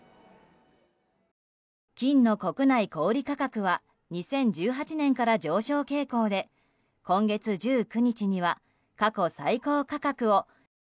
金の国内小売価格は２０１８年から上昇傾向で今月１９日には過去最高価格を。